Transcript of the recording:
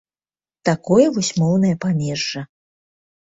Такое вось моўнае памежжа!